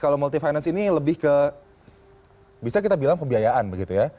kalau multifinance ini lebih ke bisa kita bilang pembiayaan begitu ya